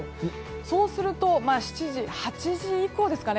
そうすると、８時以降ですかね。